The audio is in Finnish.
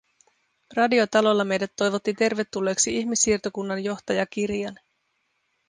Radiotalolla meidät toivotti tervetulleeksi ihmissiirtokunnan johtaja Kiran.